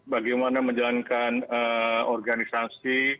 bagaimana menjalankan organisasi